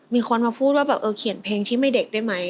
มีคนมาพูดว่าเขียนเพลงที่ไม่เด็กได้มั้ย